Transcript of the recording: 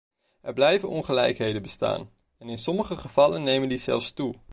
Er blijven ongelijkheden bestaan, en in sommige gevallen nemen die zelfs toe.